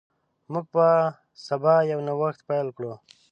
موږ به سبا یو نوښت پیل کړو.